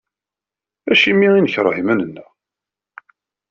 Acimi i nekreh iman-nneɣ?